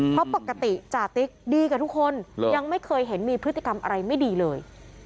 เพราะปกติจาติ๊กดีกับทุกคนยังไม่เคยเห็นมีพฤติกรรมอะไรไม่ดีเลย